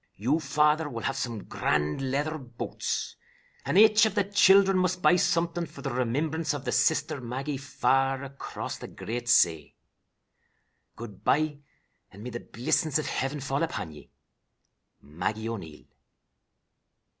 You, father, will have some grand leather boots, and aich of the children must buy something for the remimbrance of the sister Maggie far across the great say. "'Good bye, and may the blissings of Hiven fall upon ye. "'MAGGIE O'NEIL.'"